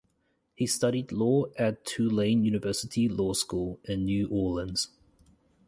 He studied law at Tulane University Law School in New Orleans.